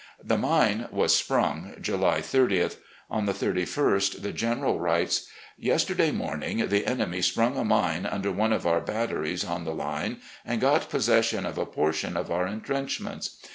The mine was sprung July 30th. On the 31st, the General writes: "... Yesterday morning the enemy sprung a mine tmder one of our batteries on the line and got possession of a portion of our intrenchments.